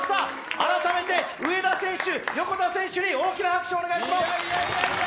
改めて上田選手、横田選手に大きな拍手をお願いします。